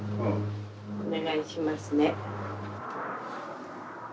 お願いしますね。